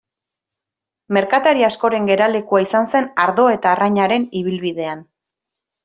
Merkatari askoren geralekua izan zen ardo eta arrainaren ibilbidean.